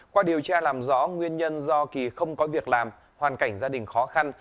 qua điều tra làm rõ nguyên nhân do kỳ không có việc làm hoàn cảnh gia đình khó khăn